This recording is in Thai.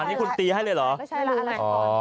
อันนี้คุณตีให้เลยหรอ